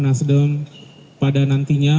nasdem pada nantinya